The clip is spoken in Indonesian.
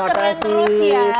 keren terus ya